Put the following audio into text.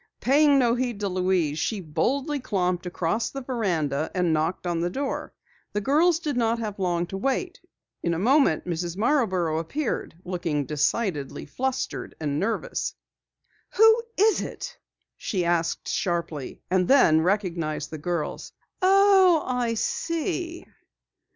Paying no heed to Louise, she boldly clomped across the veranda and knocked on the door. The girls did not have long to wait. In a moment Mrs. Marborough appeared, looking decidedly flustered and nervous. "Who is it?" she asked sharply, and then recognized the girls. "Oh, I see!"